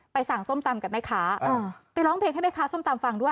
สั่งส้มตำกับแม่ค้าไปร้องเพลงให้แม่ค้าส้มตำฟังด้วย